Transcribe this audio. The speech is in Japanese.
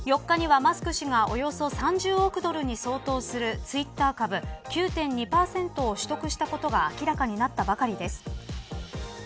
４日にはマスク氏がおよそ３０億ドルに相当するツイッター株９．２％を取得したことが明らかになったばかりです。